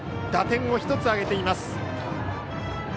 打点を１つ挙げています。